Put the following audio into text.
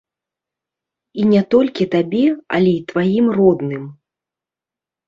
І не толькі табе, але і тваім родным.